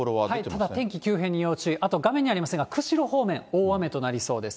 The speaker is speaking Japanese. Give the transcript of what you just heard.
ただ天気急変に要注意、あと画面にありませんが、釧路方面、大雨となりそうです。